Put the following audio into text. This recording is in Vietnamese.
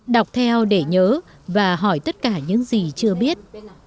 đọc theo để nhớ và hỏi tất cả những gì chưa biết